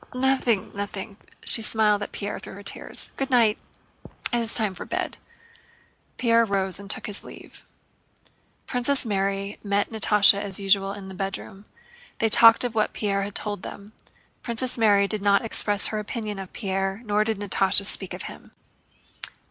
"Nothing, nothing." She smiled at Pierre through her tears. "Good night! It is time for bed." Pierre rose and took his leave. Princess Mary and Natásha met as usual in the bedroom. They talked of what Pierre had told them. Princess Mary did not express her opinion of Pierre nor did Natásha speak of him.